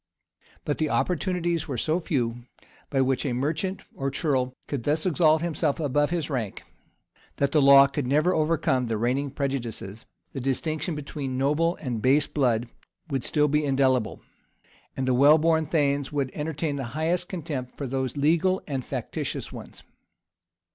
[] But the opportunities were so few, by which a merchant or ceorle could thus exalt himself above his rank, that the law could never overcome the reigning prejudices; the distinction between noble and base blood would still be indelible; and the well born thanes would entertain the highest contempt for those legal and factitious ones.